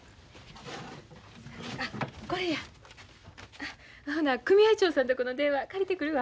あこれや。ほな組合長さんとこの電話借りてくるわ。